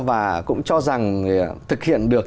và cũng cho rằng thực hiện được